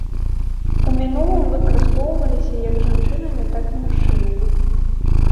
У мінулым выкарыстоўваліся як жанчынамі, так і мужчынамі.